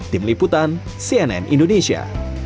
tim liputan cnn indonesia